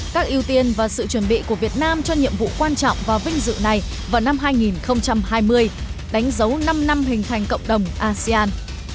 các ưu tiên và sự chuẩn bị của việt nam cho nhiệm vụ quan trọng và vinh dự này vào năm hai nghìn hai mươi đánh dấu năm năm hình thành cộng đồng asean